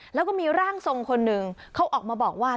แล้วก็มีร่างทรงคนหนึ่งเขาออกมาบอกว่า